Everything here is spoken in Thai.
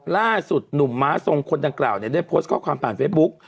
ล่าสุดหนุ่มม้าทรงคนดังกล่าวเนี่ยได้โพสต์ข้อความผ่านเฟซบุ๊ก